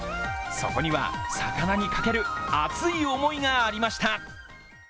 そこには魚にかける熱い思いがありました。